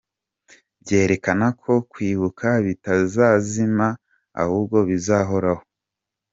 Byerekana ko kwibuka bitazazima ahubwo bizahoraho.